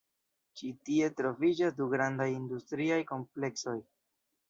Ĉi tie troviĝas du grandaj industriaj kompleksoj.